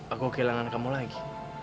aku kehilangan kamu lagi